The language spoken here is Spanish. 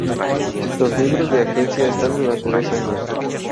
Los miembros de agencia están durante dos años.